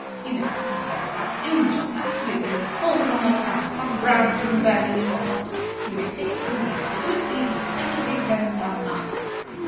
You know how some girls are. Angels absolutely! Always on the look out to pluck brands from the burning, and what not. You may take it from me that the good seed was definitely sown that night."